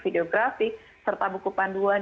videografik serta buku panduan